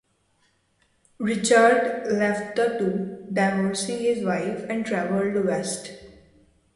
Richard left the two, divorcing his wife, and traveled west.